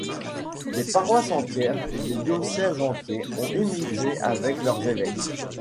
Des paroisses entières et des diocèses entiers ont émigré avec leurs évêques.